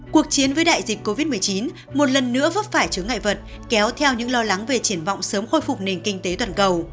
cuộc chiến với đại dịch covid một mươi chín một lần nữa vấp phải chứng ngại vật kéo theo những lo lắng về triển vọng sớm khôi phục nền kinh tế toàn cầu